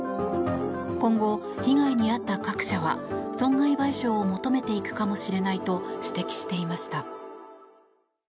今後、被害に遭った各社は損害賠償を求めていくかもしれないと指摘していました。